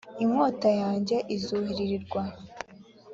inkota yanjye izuhirirwa